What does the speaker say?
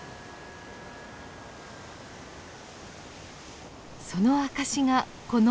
その証しがこの石。